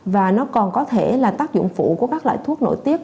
và nó còn có thể là tác dụng phụ của các loại thuốc nội tiết